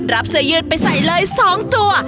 เสื้อยืดไปใส่เลย๒ตัว